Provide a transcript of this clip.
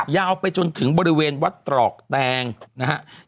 ยาวไปจนถึงบริเวณวัดตรอกแตงนะครับ